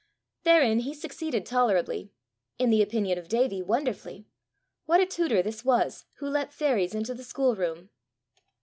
Therein he succeeded tolerably in the opinion of Davie, wonderfully: what a tutor was this, who let fairies into the school room!